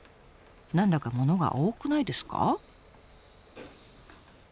何だか物が多くないですか？